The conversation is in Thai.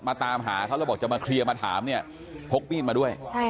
ตามหาเขาแล้วบอกจะมาเคลียร์มาถามเนี่ยพกมีดมาด้วย